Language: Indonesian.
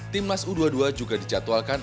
timnas u dua puluh dua juga dijadwalkan